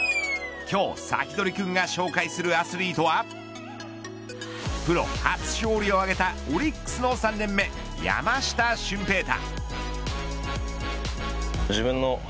今日、サキドリくんが紹介するアスリートはプロ初勝利を挙げたオリックスの３年目山下舜平大。